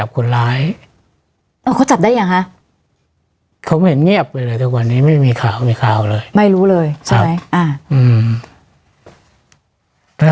เขาเห็นเงียบไปเลยทุกวันนี้ไม่มีข่าวไม่มีข่าวเลยไม่รู้เลยใช่ไหมอ่าอืม